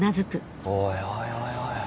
おいおいおいおい。